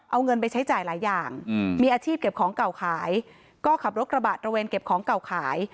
เอาเงินไปใช้จ่ายหลายอย่างมีอาชีพเก็บของเก่าขายก็ขับรถกระบะตระเวนเก็บของเก่าขาย